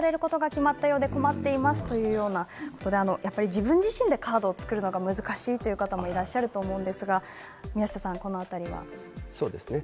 自分自身でカードを作るのが難しいという方もいらっしゃると思いますが、どうでしょう？